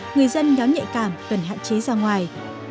người dân nhóm nhạy cảm cần hạn chế ra ngoài